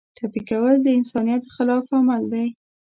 ټپي کول د انسانیت خلاف عمل دی.